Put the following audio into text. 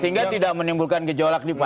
sehingga tidak menimbulkan gejolak di palu